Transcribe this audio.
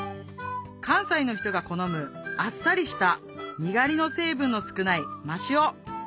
関西の人が好むあっさりしたにがりの成分の少ない真塩